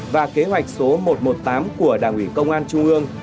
và kế hoạch số một trăm một mươi tám của đảng ủy công an trung ương